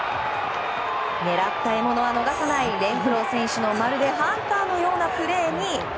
狙った獲物は逃さないレンフロー選手のまるでハンターのようなプレーに。